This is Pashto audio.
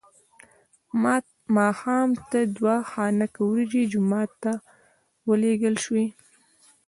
ماښام ته دوه خانکه وریجې جومات ته ولېږل شوې.